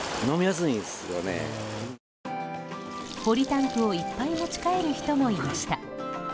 ポリタンクをいっぱい持ち帰る人もいました。